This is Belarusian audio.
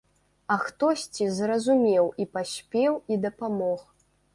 А хтосьці зразумеў і паспеў, і дапамог.